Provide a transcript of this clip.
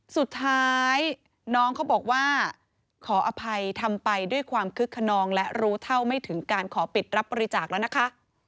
สุดท้ายน้องเขาบอกว่าขออภัยทำไปด้วยความคึกขนองและรู้เท่าไม่ถึงการขอปิดรับบริจาคแล้วนะคะ